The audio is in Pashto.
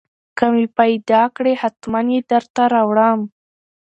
که مې پېدا کړې حتمن يې درته راوړم.